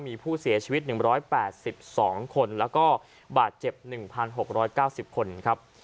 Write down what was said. มีผู้เสียชีวิต๑๘๒คนแล้วก็บาดเจ็บ๑๖๙๐คนครับ